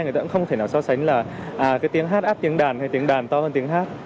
người ta cũng không thể nào so sánh là cái tiếng hát áp tiếng đàn hay tiếng đàn to hơn tiếng hát